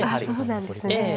そうなんですね。